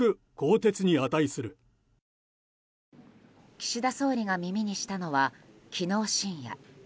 岸田総理が耳にしたのは昨日深夜。